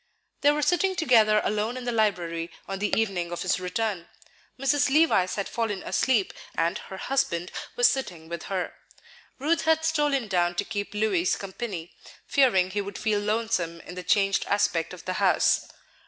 They were sitting together alone in the library on the evening of his return. Mrs. Levice had fallen asleep, and her husband was sitting with her. Ruth had stolen down to keep Louis company, fearing he would feel lonesome in the changed aspect of the house.